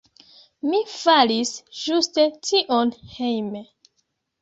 Mi faris ĝuste tion hejme.